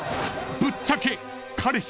［ぶっちゃけ］